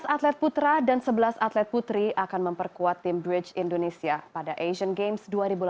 dua belas atlet putra dan sebelas atlet putri akan memperkuat tim bridge indonesia pada asian games dua ribu delapan belas